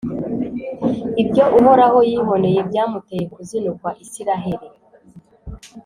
ibyo uhoraho yiboneye byamuteye kuzinukwa isiraheri: